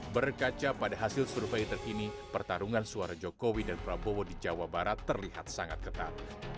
berkaca pada hasil survei terkini pertarungan suara jokowi dan prabowo di jawa barat terlihat sangat ketat